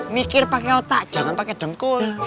mikir pakai otak jangan pakai dengkur